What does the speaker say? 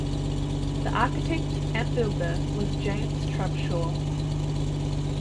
The architect and builder was James Trubshaw.